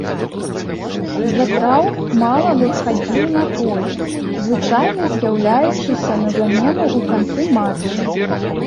З-за траўм мала выхадзіў на поле, звычайны з'яўляючыся на замену ў канцы матча.